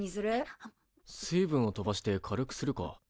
水分を飛ばして軽くするか。